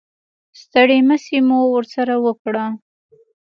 ستړې مسې مو ورسره وکړه.